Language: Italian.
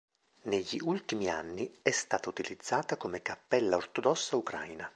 Negli ultimi anni è stata utilizzata come cappella ortodossa ucraina.